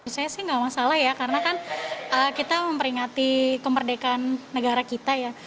saya sih nggak masalah ya karena kan kita memperingati kemerdekaan negara kita ya